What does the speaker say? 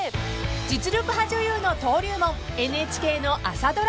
［実力派女優の登竜門ＮＨＫの朝ドラ］